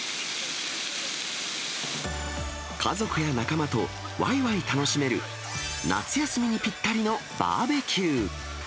家族や仲間とわいわい楽しめる夏休みにぴったりのバーベキュー。